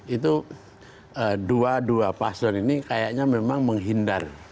itu dua dua paslon ini kayaknya memang menghindar